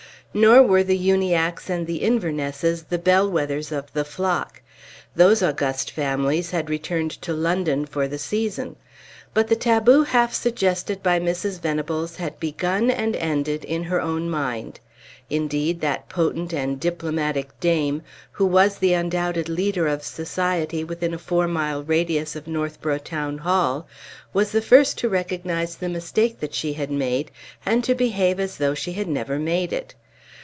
Nor were the Uniackes and the Invernesses the bell wethers of the flock. Those august families had returned to London for the season; but the taboo half suggested by Mrs. Venables had begun and ended in her own mind. Indeed, that potent and diplomatic dame, who was the undoubted leader of society within a four mile radius of Northborough town hall, was the first to recognize the mistake that she had made, and to behave as though she had never made it.